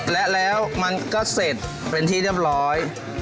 และแล้วมันก็เสร็จเป็นที่เรียบร้อย